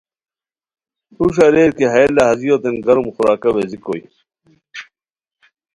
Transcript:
ہوݰ اریر کی ہیہ لہازیوتین گرم خوراکہ ویزی کوئے